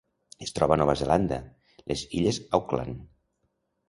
Es troba a Nova Zelanda: les illes Auckland.